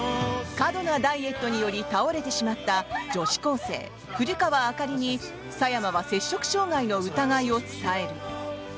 過度なダイエットにより倒れてしまった女子高生・古川朱里に佐山は摂食障害の疑いを伝える。